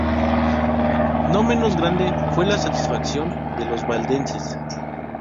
No menos grande fue la satisfacción de los Valdenses.